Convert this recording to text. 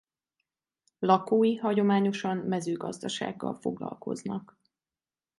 Lakói hagyományosan mezőgazdasággal foglalkoznak.